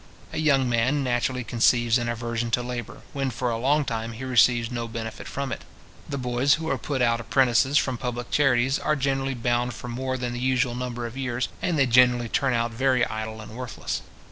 A young man naturally conceives an aversion to labour, when for a long time he receives no benefit from it. The boys who are put out apprentices from public charities are generally bound for more than the usual number of years, and they generally turn out very idle and worthless.